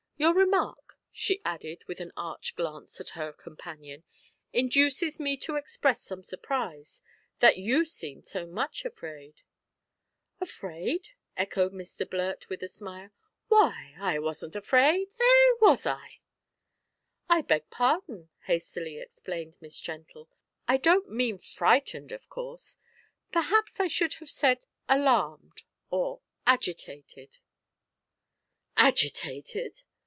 Your remark," she added, with an arch glance at her companion, "induces me to express some surprise that you seemed so much afraid." "Afraid!" echoed Mr Blurt, with a smile; "why, I wasn't afraid eh! was I?" "I beg pardon," hastily explained Miss Gentle, "I don't mean frightened, of course; perhaps I should have said alarmed, or agitated " "Agitated!"